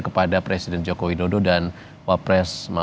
kepada presiden joko widodo dan wapres